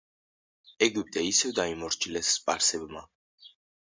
ეგვიპტე ისევ დაიმორჩილეს სპარსებმა.